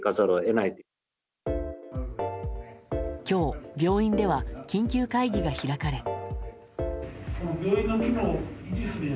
今日、病院では緊急会議が開かれ。